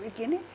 được ý kiến ý